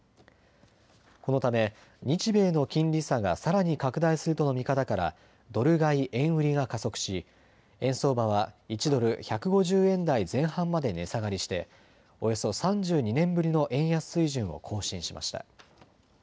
このため日米の金利差がさらに拡大するとの見方からドル買い円売りが加速し円相場は１ドル１５０円台前半まで値下がりしておよそ３２年ぶりの円安水準を更新しました。